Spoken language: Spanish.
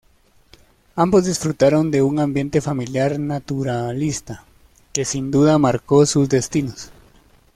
Ambos disfrutaron de un ambiente familiar naturalista que sin duda marcó sus destinos.